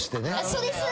そうです。